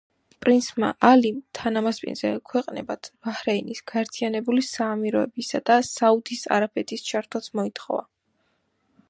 პრინცმა ალიმ თანამასპინძელ ქვეყნებად ბაჰრეინის, გაერთიანებული საამიროებისა და საუდის არაბეთის ჩართვაც მოითხოვა.